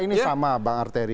ini sama bang arteri